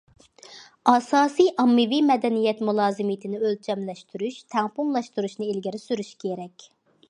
ئاساسىي ئاممىۋى مەدەنىيەت مۇلازىمىتىنى ئۆلچەملەشتۈرۈش، تەڭپۇڭلاشتۇرۇشنى ئىلگىرى سۈرۈش كېرەك.